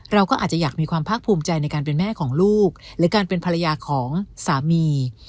เราก็อาจจะอยากมีความภาคภูมิใจในการเป็นแม่ของลูกหรือการเป็นภรรยาของสามี